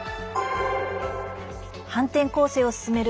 反転攻勢を進める